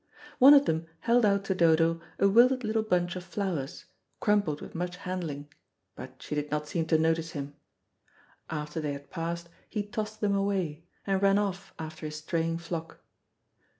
One of them held out to Dodo a wilted little bunch of flowers, crumpled with much handling, but she did not seem to notice him. After they had passed he tossed them away, and ran off after his straying flock.